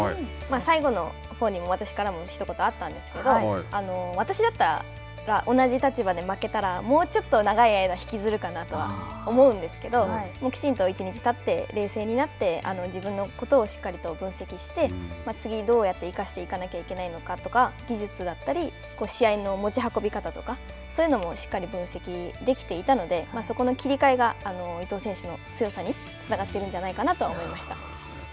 最後のほうにも私からもひと言あったんですけれども、私だったら同じ立場で負けたらもうちょっと長い間、引きずるかなと思うんですけれども、きちんと１日たって冷静になって自分のことをしっかりと分析して、次どうやって生かしていかなきゃいけないのかとか技術だったり、試合の持ち運び方とか、そういうのもしっかり分析できていたのでそこの切り替えが伊藤選手の強さにつながっているんじゃないかなと思いました。